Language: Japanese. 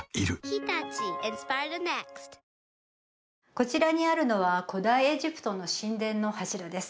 こちらにあるのは古代エジプトの神殿の柱です